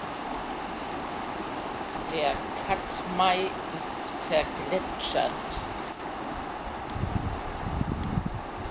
Der Katmai ist vergletschert.